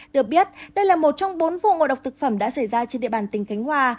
được biết đây là một trong bốn vụ ngộ độc thực phẩm đã xảy ra trên địa bàn tỉnh khánh hòa